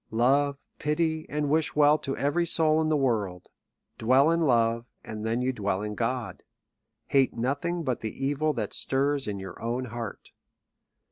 Love, pity, ancf wish well to every soul in the world ; dwell in love, and then you dwell in God : hate nothing but the evil that stirs in your own heart.